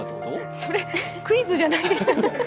それ、クイズじゃないですよね。